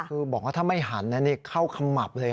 คือบอกว่าถ้าไม่หันเข้าขมับเลย